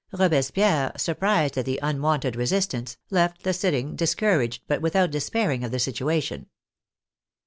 Robes pierre, surprised at the unwonted resistance, left the sit ting discouraged, but without despairing of the situation.